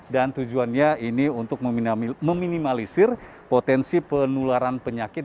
dan tujuannya ini untuk meminimalisir potensi penularan penyakit